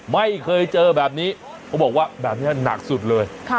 ไม่เคยเจอแบบนี้เขาบอกว่าแบบนี้หนักสุดเลย